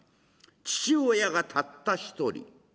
父親がたった一人。